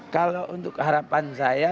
kalau untuk harapan saya